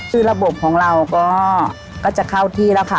คือระบบของเราก็จะเข้าที่แล้วค่ะ